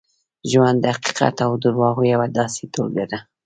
ژوند د حقیقت او درواغو یوه داسې ټولګه ده.